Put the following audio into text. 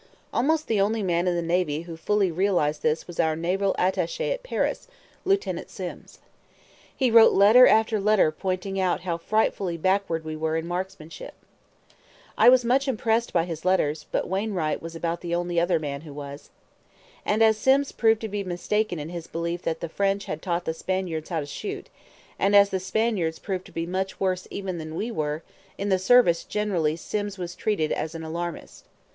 Almost the only man in the navy who fully realized this was our naval attache at Paris, Lieutenant Sims. He wrote letter after letter pointing out how frightfully backward we were in marksmanship. I was much impressed by his letters; but Wainwright was about the only other man who was. And as Sims proved to be mistaken in his belief that the French had taught the Spaniards how to shoot, and as the Spaniards proved to be much worse even than we were, in the service generally Sims was treated as an alarmist.